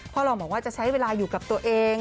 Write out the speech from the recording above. รองบอกว่าจะใช้เวลาอยู่กับตัวเอง